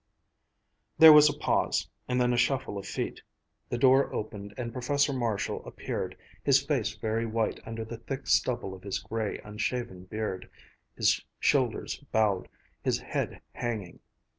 There was a pause, and then a shuffle of feet. The door opened and Professor Marshall appeared, his face very white under the thick stubble of his gray, unshaven beard, his shoulders bowed, his head hanging.